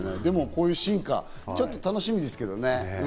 こういう進化、ちょっと楽しみですけどね。